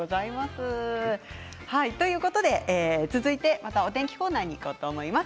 続いてお天気コーナーにいこうと思います。